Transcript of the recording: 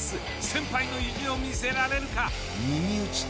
先輩の意地を見せられるか？